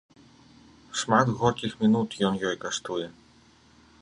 Шмат горкіх мінут ён ёй каштуе.